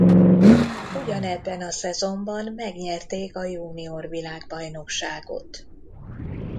Ugyanebben a szezonban megnyerték a junior világbajnokságot.